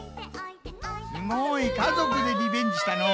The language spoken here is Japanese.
すごい家族でリベンジしたのう。